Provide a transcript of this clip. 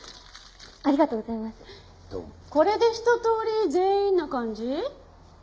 これで一通り全員な感じ？